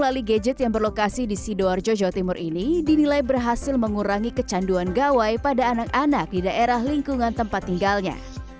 bali gadget yang berlokasi di sidoarjo jawa timur ini dinilai berhasil mengurangi kecanduan gawai pada anak anak di daerah lingkungan tempat tinggalnya